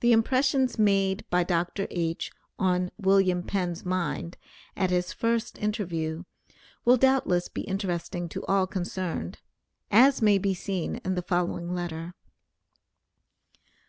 The impressions made by Dr. H., on William Penn's mind, at his first interview, will doubtless be interesting to all concerned, as may be seen in the following letter: [Footnote B: Dr. T.